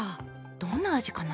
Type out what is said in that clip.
どんな味かな？